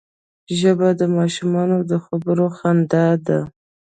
ژبه د ماشومانو د خبرو خندا ده